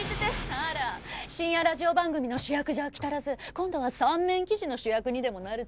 あら深夜ラジオ番組の主役じゃ飽き足らず今度は三面記事の主役にでもなるつもり？